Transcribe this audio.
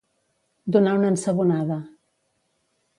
Donar una ensabonada.